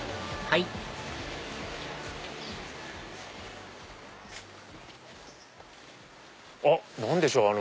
はいあっ何でしょう？